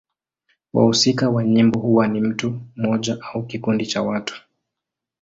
Wahusika wa nyimbo huwa ni mtu mmoja au kikundi cha watu.